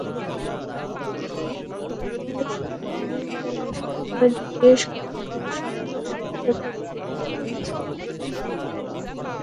তাঁকে সকাল পৌনে সাতটার দিকে সাতক্ষীরা সদর হাসপাতালে ভর্তি করা হয়েছে।